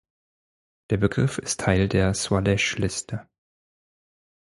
Der Begriff ist Teil der Swadesh-Liste.